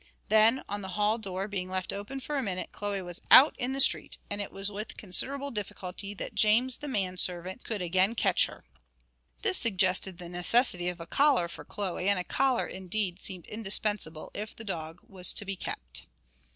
Then, on the hall door being left open for a minute, Chloe was out in the street, and it was with considerable difficulty that James, the man servant, could again catch her. This suggested the necessity of a collar for Chloe, and a collar, indeed, seemed indispensable if the dog was to be kept.